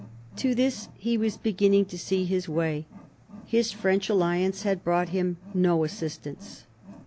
To this he was beginning to see his way. His French alliance had brought him no assistance.